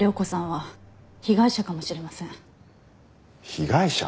被害者？